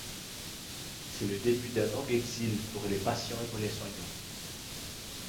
C'est le début d'un long exil pour les patients et pour les soignants.